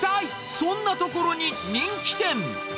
そんなトコロに人気店。